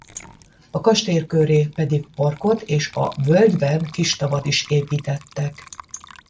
A kastély köré pedig parkot és a völgyben kis tavat is építettek.